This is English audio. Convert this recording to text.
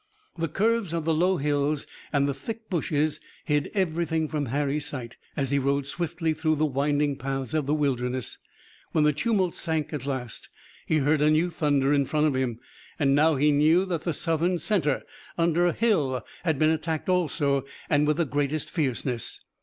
The curves of the low hills and the thick bushes hid everything from Harry's sight, as he rode swiftly through the winding paths of the Wilderness. When the tumult sank at last he heard a new thunder in front of him, and now he knew that the Southern center under Hill had been attacked also, and with the greatest fierceness.